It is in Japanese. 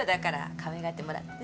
かわいがってもらってね。